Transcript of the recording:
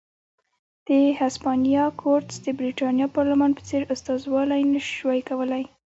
د هسپانیا کورتس د برېټانیا پارلمان په څېر استازولي نه شوای کولای.